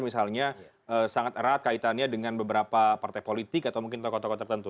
misalnya sangat erat kaitannya dengan beberapa partai politik atau mungkin tokoh tokoh tertentu